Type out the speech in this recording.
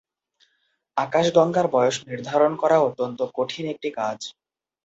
আকাশগঙ্গার বয়স নির্ধারণ করা অত্যন্ত কঠিন একটি কাজ।